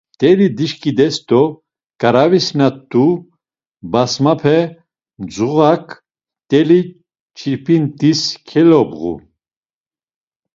Mteli dişkides do ǩaravis na t̆u basmape mzuğak mteli çirpintis kelobğu.